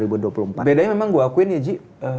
bedanya memang gue akuin ya ji